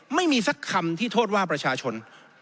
ไม่มีสักคำที่โทษว่าประชาชน